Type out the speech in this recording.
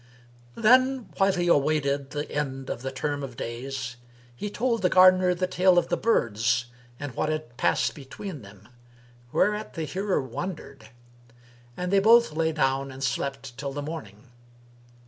Then, while he awaited the end of the term of days, he told the gardener the tale of the birds and what had passed between them; whereat the hearer wondered; and they both lay down and slept till the morning.